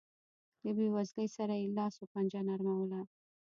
له بېوزلۍ سره یې لاس و پنجه نرموله.